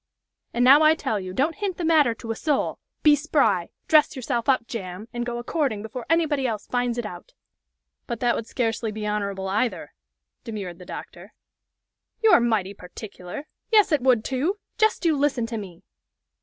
And now I tell you, don't hint the matter to a soul. Be spry! dress yourself up jam! and go a courting before anybody else finds it out!" "But that would scarcely be honorable either," demurred the doctor. "You're mighty particular! Yes, it would, too! Jest you listen to me!